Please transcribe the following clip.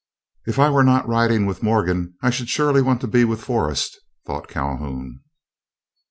"If I were not riding with Morgan, I should surely want to be with Forrest," thought Calhoun.